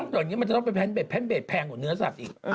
ตอนนี้มันจะต้องเป็นแพ้นเบตแพ้นเบตแพงกว่าเนื้อสัตว์อีก